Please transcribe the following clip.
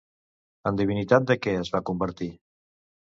En divinitat de què es va convertir?